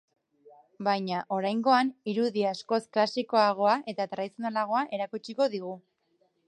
Baina, oraingoan irudi askoz klasikoagoa eta tradizionalagoa erakutsiko digu.